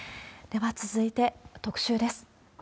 では続いて、特集です。